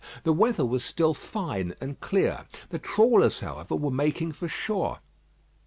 The weather was still fine and clear. The trawlers, however, were making for shore.